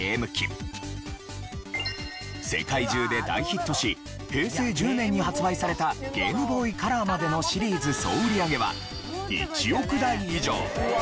世界中で大ヒットし平成１０年に発売されたゲームボーイカラーまでのシリーズ総売上は１億台以上。